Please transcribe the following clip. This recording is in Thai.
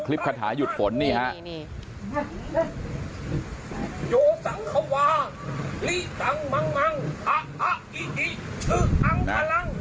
คลิปคาถาหยุดฝนนี่ฮะ